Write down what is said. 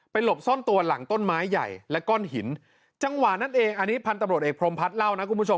หลบซ่อนตัวหลังต้นไม้ใหญ่และก้อนหินจังหวะนั้นเองอันนี้พันธุ์ตำรวจเอกพรมพัฒน์เล่านะคุณผู้ชม